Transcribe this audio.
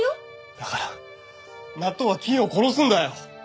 だから納豆は菌を殺すんだよ！